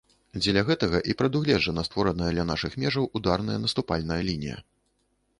Дзеля гэтага і прадугледжана створаная ля нашых межаў ударная наступальная лінія.